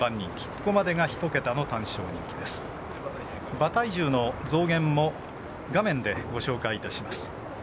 馬体重の増減もご紹介いたします。